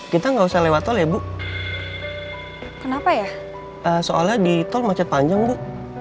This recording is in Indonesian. kita nggak usah lewat tol ya bu kenapa ya soalnya di tol macet panjang bu